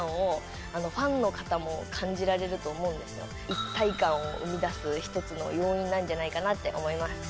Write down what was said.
一体感を生みだす一つの要因なんじゃないかなって思います。